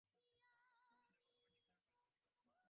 কিন্তু দৈবক্রমে ঠিক তার বিপরীত ঘটিল।